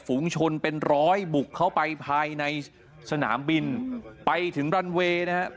ฝุงชนเป็นร้อยบุกเข้าไปภายในสนามบินไปถึงรันเวย์นะครับ